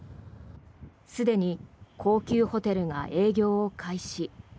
すでに高級ホテルが営業を開始。